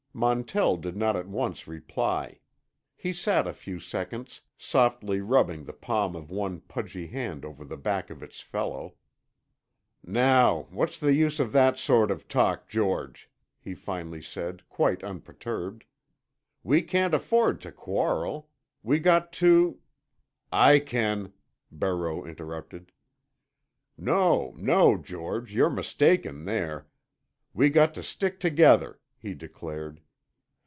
Montell did not at once reply. He sat a few seconds, softly rubbing the palm of one pudgy hand over the back of its fellow. "Now, what's the use of that sort of talk, George?" he finally said, quite unperturbed. "We can't afford to quarrel. We got too——" "I can," Barreau interrupted. "No, no, George, you're mistaken there. We got to stick together," he declared.